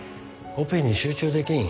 オペに集中できん。